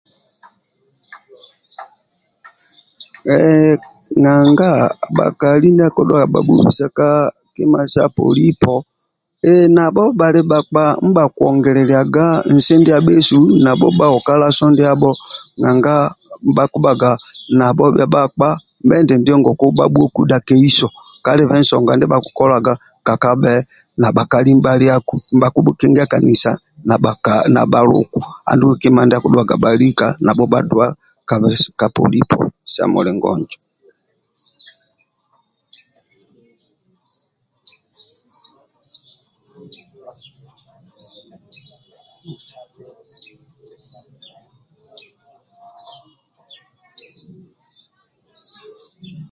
Heee nanga bhakali ndia akidhuwaga bhabhubisa ka kima sa polipo ehhh nabho bhali bhaka ndiabha kiongiliaga nsi ndiasu nabho bhaoka laso nduabho nanga bhakibhaga nabho bhia bhakpa endindio nesi bhabhukudha keiso kalibe nsonga ndia bhakikolaga kakabe na bhakali nibhaliku nibhaliaku nibhakibhukingesa na bhakali na bhaluku andulu kima ndia akidhuaga bhalika nabho bhadua ka polipo sa mulingo injo